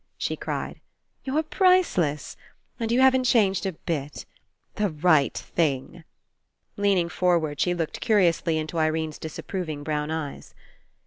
she cried, "you're priceless ! And you haven't changed a bit. The right thing!" Leaning forward, she looked curiously into Irene's disapproving brown eyes.